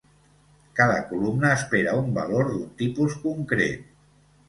Cada columna espera un valor d'un tipus concret.